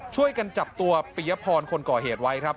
ช่วยกันจับตัวปิยพรคนก่อเหตุไว้ครับ